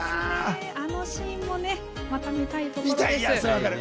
あのシーンもまた見たいと思います。